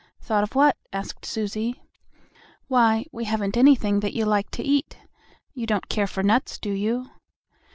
"Thought of what?" asked Susie. "Why, we haven't anything that you like to eat. You don't care for nuts, do you?"